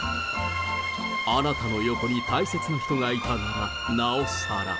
あなたの横に大切な人がいたなら、なおさら。